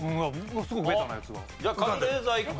すごいベタなやつが。